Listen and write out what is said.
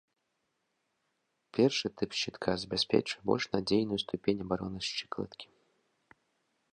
Першы тып шчытка забяспечвае больш надзейную ступень абароны шчыкалаткі.